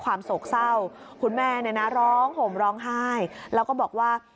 โศกเศร้าคุณแม่เนี่ยนะร้องห่มร้องไห้แล้วก็บอกว่า